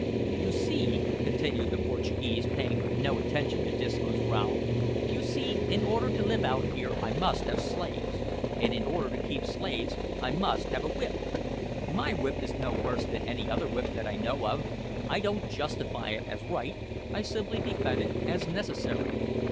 "You see," continued the Portuguese, paying no attention to Disco's growl, "You see, in order to live out here I must have slaves, and in order to keep slaves I must have a whip. My whip is no worse than any other whip that I know of. I don't justify it as right, I simply defend it as necessary.